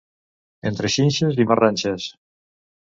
Entre xinxes i marranxes.